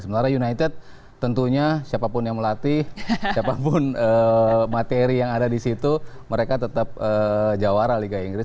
sementara united tentunya siapapun yang melatih siapapun materi yang ada di situ mereka tetap jawara liga inggris